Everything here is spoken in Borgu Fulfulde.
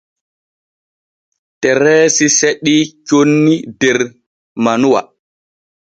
Tereesi seɗii conni der manuwa.